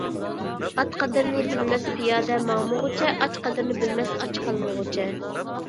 ئات قەدرىنى بىلمەس پىيادە ماڭمىغۇچە، ئاچ قەدرىنى بىلمەس ئاچ قالمىغۇچە.